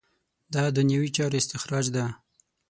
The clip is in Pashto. دا دنیوي چارو استخراج ده.